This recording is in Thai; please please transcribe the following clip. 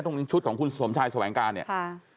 ตรงนี้ชุดของคุณสวมชายสวังกาลเนี่ย